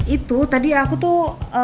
itu tadi aku tuh